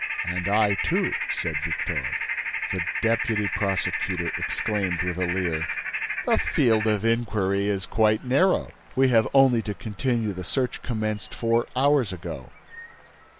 "And I, too," said Victor. The deputy prosecutor exclaimed, with a leer: "The field of inquiry is quite narrow. We have only to continue the search commenced four hours ago."